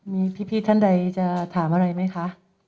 มีพี่ท่านใดจะถามอะไรไหมคะ